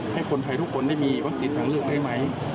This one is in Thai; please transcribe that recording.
ให้คนไทยทุกคนได้มีวัคซีนทางเลือกได้ไหม